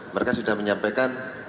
mereka sudah menyampaikan